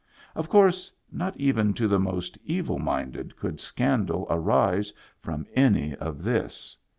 Of course, not even to the most evil minded could scandal arise from any of this.